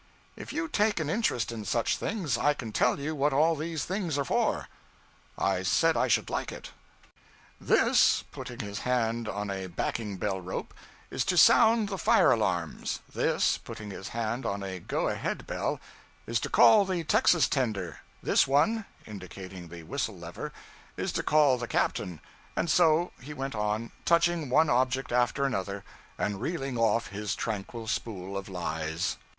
'If you take an interest in such things, I can tell you what all these things are for.' I said I should like it. 'This,' putting his hand on a backing bell rope, 'is to sound the fire alarm; this,' putting his hand on a go ahead bell, 'is to call the texas tender; this one,' indicating the whistle lever, 'is to call the captain' and so he went on, touching one object after another, and reeling off his tranquil spool of lies.